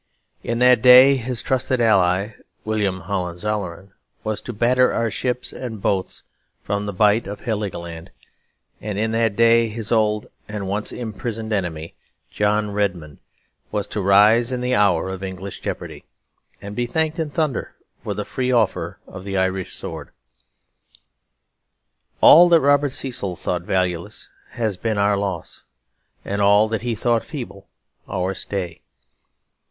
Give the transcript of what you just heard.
In that day his trusted ally, William Hohenzollern, was to batter our ships and boats from the Bight of Heligoland; and in that day his old and once imprisoned enemy, John Redmond, was to rise in the hour of English jeopardy, and be thanked in thunder for the free offer of the Irish sword. All that Robert Cecil thought valueless has been our loss, and all that he thought feeble our stay.